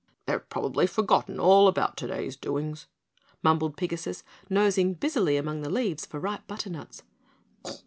"They've probably forgotten all about today's doings," mumbled Pigasus, nosing busily among the leaves for ripe butternuts.